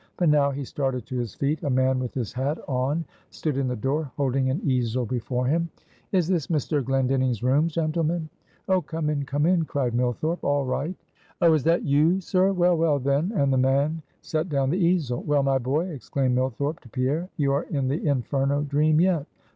But now he started to his feet. A man with his hat on, stood in the door, holding an easel before him. "Is this Mr. Glendinning's room, gentlemen?" "Oh, come in, come in," cried Millthorpe, "all right." "Oh! is that you, sir? well, well, then;" and the man set down the easel. "Well, my boy," exclaimed Millthorpe to Pierre; "you are in the Inferno dream yet.